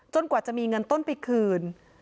กว่าจะมีเงินต้นไปคืน